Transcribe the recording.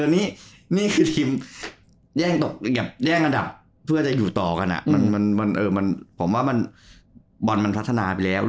นี่นี่คือทีมแย่งอันดับเพื่อจะอยู่ต่อกันผมว่าบอลมันพัฒนาไปแล้ว